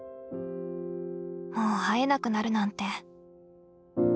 もう会えなくなるなんて。